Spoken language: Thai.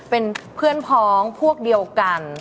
เป็นเพื่อนพ้องพวกเดียวกัน